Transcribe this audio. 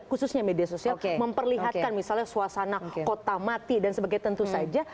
khususnya media sosial memperlihatkan misalnya suasana kota mati dan sebagainya tentu saja